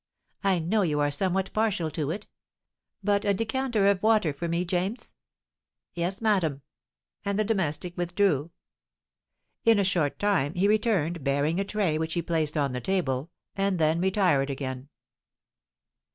I know you are somewhat partial to it. But a decanter of water for me, James." "Yes, madam;"—and the domestic withdrew. In a short time he returned, bearing a tray, which he placed on the table, and then retired again.